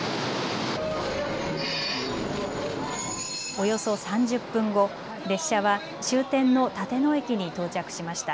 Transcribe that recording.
およそ３０分後、列車は終点の立野駅に到着しました。